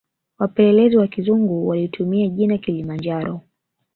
Wapelelezi Wa kizungu walitumia jina kilimanjaro